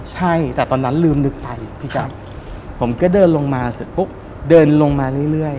ใช่แต่ตอนนั้นลืมนึกไปพี่แจ๊คผมก็เดินลงมาเสร็จปุ๊บเดินลงมาเรื่อย